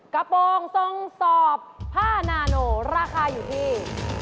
กระโปรงทรงสอบผ้านาโนราคาอยู่ที่